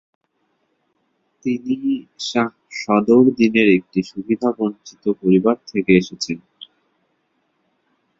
তিনি শাহ সদর দিনের একটি সুবিধাবঞ্চিত পরিবার থেকে এসেছেন।